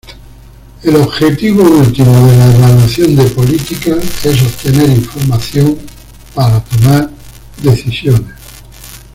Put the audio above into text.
El objetivo último de la evaluación de políticas es obtener información para tomar decisiones.